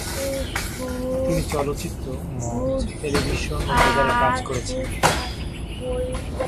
তিনি চলচ্চিত্র, মঞ্চ, টেলিভিশন ও বেতারে কাজ করেছেন।